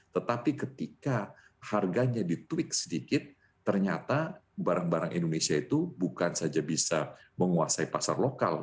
tetapi ketika harganya di twek sedikit ternyata barang barang indonesia itu bukan saja bisa menguasai pasar lokal